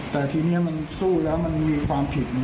แต่ทีนี้มันสู้แล้วมันมีความผิด